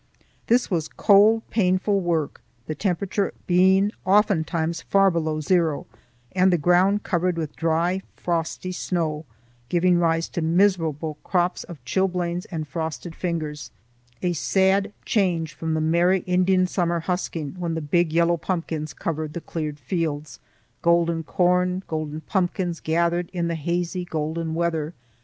This was cold, painful work, the temperature being oftentimes far below zero and the ground covered with dry, frosty snow, giving rise to miserable crops of chilblains and frosted fingers,—a sad change from the merry Indian summer husking, when the big yellow pumpkins covered the cleared fields;—golden corn, golden pumpkins, gathered in the hazy golden weather.